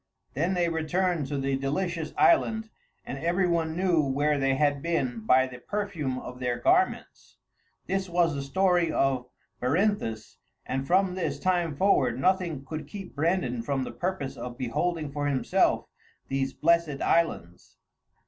Then they returned to the Delicious Island, and every one knew where they had been by the perfume of their garments. This was the story of Berinthus, and from this time forward nothing could keep Brandan from the purpose of beholding for himself these blessed islands.